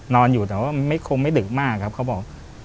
นอนอยู่แต่ว่าคงไม่ดึกมากครับเขาบอก